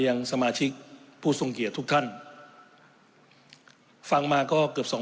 ยังสมาชิกผู้ทรงเกียรติทุกท่านฟังมาก็เกือบสอง